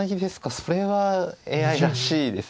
それはＡＩらしいです。